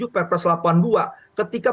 perpres delapan puluh dua ketika